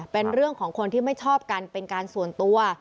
เป็นเรื่องของคนที่ไม่ชอบกันเป็นการส่วนตัว